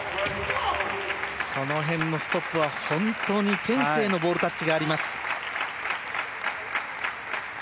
この辺のストップは本当に天性のボールタッチがあります。